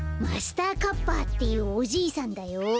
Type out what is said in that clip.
マスターカッパっていうおじいさんだよ。